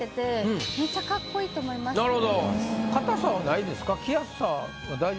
硬さはないですか？